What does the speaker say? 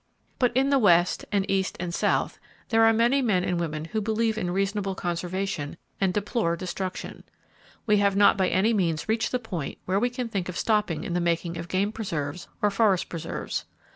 But in the West, and East and South, there are many men and women who believe in reasonable conservation, and deplore destruction. We have not by any means reached the point where we can think of stopping in the making of game preserves, or forest preserves.